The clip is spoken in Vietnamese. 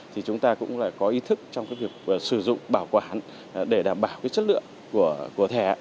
thì chúng ta cũng là có ý thức trong việc sử dụng bảo quản để đảm bảo chất lượng của thẻ